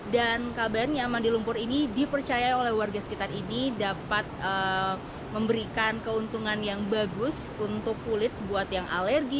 dan kabarnya mandi lumpur ini dipercaya oleh warga sekitar ini dapat memberikan keuntungan yang bagus untuk kulit buat yang alergi